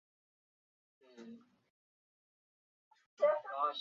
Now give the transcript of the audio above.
棕鳞肉刺蕨为鳞毛蕨科肉刺蕨属下的一个种。